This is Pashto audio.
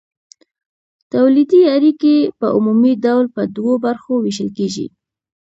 تولیدي اړیکې په عمومي ډول په دوو برخو ویشل کیږي.